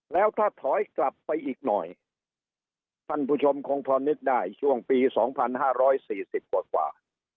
แล้วถ้าถอยกลับไปอีกหน่อยท่านผู้ชมคงพอมิดได้ช่วงปีสองพันห้าร้อยสี่สิบกว่ากว่า